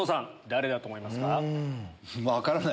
誰だと思いますか？